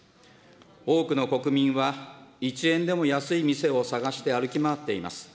多くの国民は、一円でも安い店を探して歩き回っています。